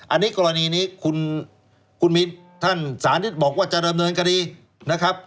อันนี้กรณีนี้คุณมินท่านสาธิตบอกว่าจะดำเนินคดีนะครับ